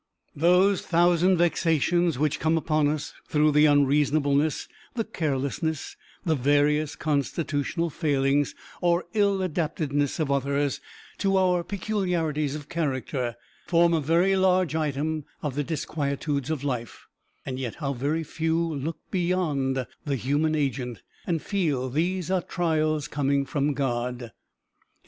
Those thousand vexations which come upon us through the unreasonableness, the carelessness, the various constitutional failings, or ill adaptedness of others to our peculiarities of character, form a very large item of the disquietudes of life; and yet how very few look beyond the human agent, and feel these are trials coming from God!